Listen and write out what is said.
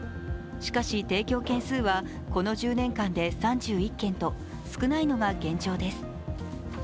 しかし、提供件数はこの１０年間で３１件と少ないのが現状です。